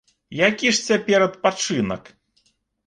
Які ж цяпер адпачынак?